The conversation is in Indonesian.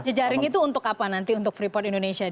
jejaring itu untuk apa nanti untuk freeport indonesia